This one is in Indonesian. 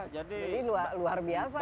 jadi luar biasa ya